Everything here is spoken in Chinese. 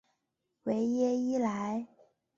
维耶伊莱。